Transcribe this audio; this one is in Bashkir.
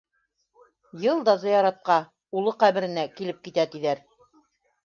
Йыл да зыяратҡа, улы «ҡәберенә» килеп китә, тиҙәр.